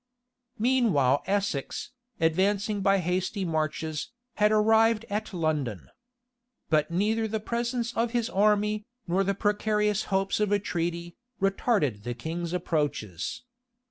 [*] Meanwhile Essex, advancing by hasty marches, had arrived at London. But neither the presence of his army, nor the precarious hopes of a treaty, retarded the king's approaches.